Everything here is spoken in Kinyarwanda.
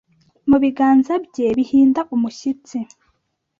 Mu biganza bye bihinda umushyitsi